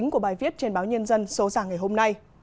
của bài viết trên báo nhân dân số giả ngày hôm nay